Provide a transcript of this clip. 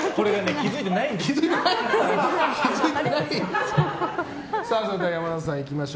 気づいてないんですよ。